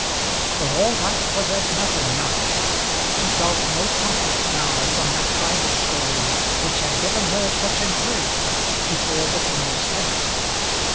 But all that was as nothing now. She felt no comfort now from that Bible story which had given her such encouragement before the thing was finished.